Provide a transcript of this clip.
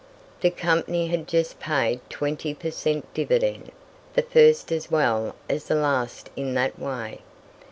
The company had just paid 20 per cent dividend the first as well as the last in that way.